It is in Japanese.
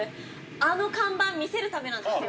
あの看板を見せるためなんですよ。